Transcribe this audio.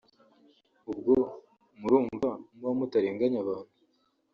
ubwo murumva muba mutarenganya abantu